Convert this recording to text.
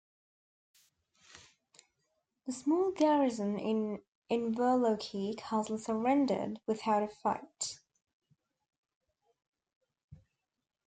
The small garrison in Inverlochy castle surrendered without a fight.